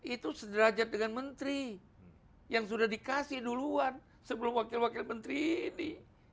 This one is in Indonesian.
itu sederajat dengan menteri yang sudah dikasih duluan sebelum wakil wakil menteri ini